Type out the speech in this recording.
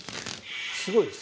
すごいです。